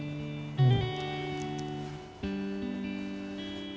うん。